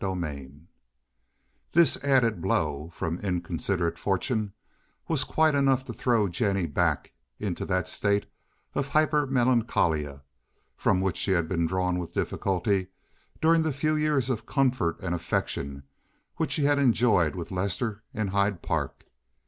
CHAPTER LIX This added blow from inconsiderate fortune was quite enough to throw Jennie back into that state of hyper melancholia from which she had been drawn with difficulty during the few years of comfort and affection which she had enjoyed with Lester in Hyde Park.